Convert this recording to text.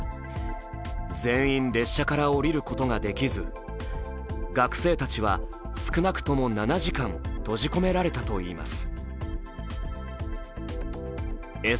全員列車から降りることが出来ず、学生たちは少なくとも７時間閉じ込められたといいます。